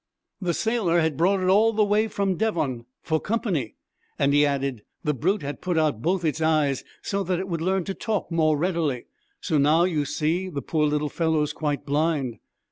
The sailor had brought it all the way from Devon for company; and he added, 'The brute had put out both its eyes so that it would learn to talk more readily; so now, you see, the poor little fellow is quite blind.'